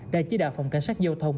đã chỉ đạo phòng cảnh sát giao thông